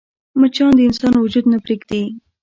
مچان د انسان وجود نه پرېږدي